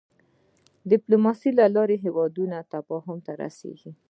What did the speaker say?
د د ډيپلوماسی له لارې هېوادونه تفاهم ته رسېږي.